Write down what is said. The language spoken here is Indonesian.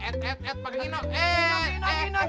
eh eh eh panggilin eh